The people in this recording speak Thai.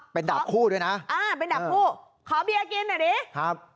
เป็นดาบคู่ด้วยนะอ่าเป็นดาบคู่ขอเบียร์กินหน่อยดิครับ